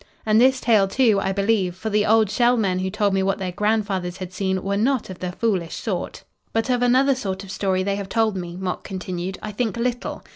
And this tale, too, I believe, for the old Shell Men who told me what their grandfathers had seen were not of the foolish sort." "But of another sort of story they have told me," Mok continued, "I think little.